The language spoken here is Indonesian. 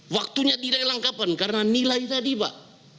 waktunya tidak lengkapan karena nilai tadi pak